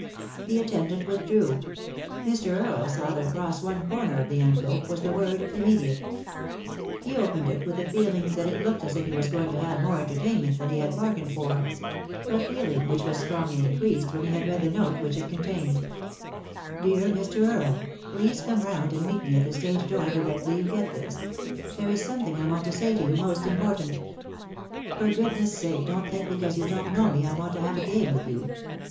The attendant withdrew. Mr. Earle saw that across one corner of the envelope was the word " Immediate." He opened it with a feeling that it looked as if he was going to have more entertainment than he had bargained for; a feeling which was 333 3i 9 iii^d by Google THE INTERRUPTED KISS strongly increased when he had read the note which it contained. " Dear Mr. Earle, — Please come round and meet me at the stage door directly you get this. There is something I want to say to you most important For goodness' sake don't think because you don't know me I want to have a game with you.